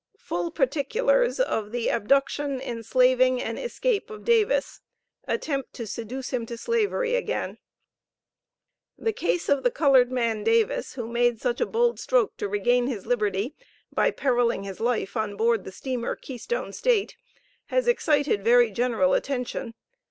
FULL PARTICULARS OF THE ABDUCTION, ENSLAVING AND ESCAPE OF DAVIS. ATTEMPT TO SEDUCE HIM TO SLAVERY AGAIN. The case of the colored man Davis, who made such a bold stroke to regain his liberty, by periling his life on board the steamer Keystone State, has excited very general attention.